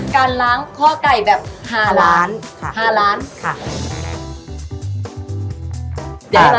การล้างข้อไก่แบบหาล้านหาล้านค่ะหาล้านค่ะ